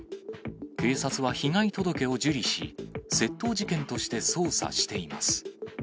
警察は被害届を受理し、窃盗事件として捜査しています。